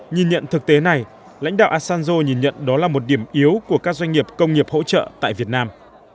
nhìn nhận thực tế này lãnh đạo asanzo nhìn nhận đó là một điểm yếu của các doanh nghiệp công nghiệp hỗ trợ tại việt nam